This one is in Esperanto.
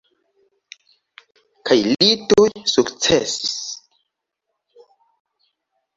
Kaj li tuj sukcesis.